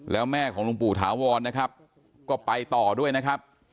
แล้วแม่ของหลวงปู่ถาวรนะครับก็ไปต่อด้วยนะครับ